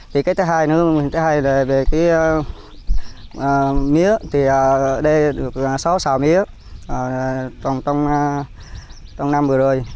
thì cái thứ hai nữa thứ hai là về cái mía thì đây được sáu xào mía trong năm vừa rồi